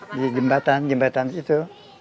di jembatan jembatan situ